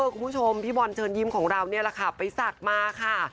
คุณผู้ชมพี่บอลเชิญยิ้มของเรานี่แหละค่ะไปศักดิ์มาค่ะ